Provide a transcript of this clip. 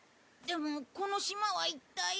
でもこの島は一体。